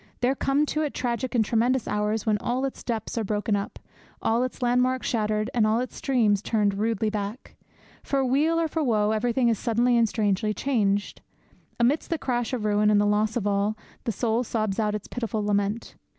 There come to it tragic and tremendous hours when all its depths are broken up, all its landmarks shattered, and all its streams turned rudely back. For weal or for woe everything is suddenly and strangely changed. Amidst the crash of ruin and the loss of all, the soul sobs out its pitiful lament.